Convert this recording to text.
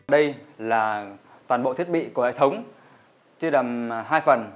đây là toàn bộ thiết bị của hệ thống chia đầm hai phần